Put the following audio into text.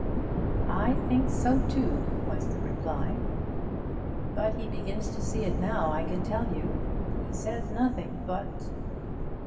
'I think so too,' was the reply. 'But he begins to see it now, I can tell you. He says nothing but.'